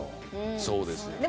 そうですよね。